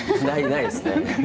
ないですね。